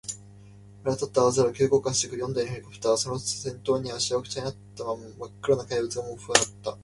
晴れわたった青空を、急降下してくる四台のヘリコプター、その先頭には、しわくちゃになったまっ黒な怪物が、もうまったく浮力をうしなって、